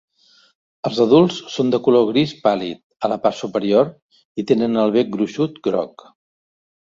Els adults són de color gris pàl·lid a la part superior i tenen el bec gruixut groc.